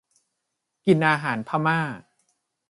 กินอาหารพม่า